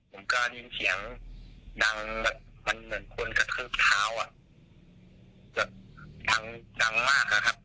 มันก็ได้ยินเสียงดังแบบมันเหมือนคนกระทืบเท้าอ่ะแบบดังดังมากอะครับ